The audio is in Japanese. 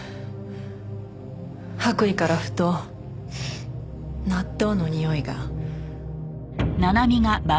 白衣からふと納豆のにおいが。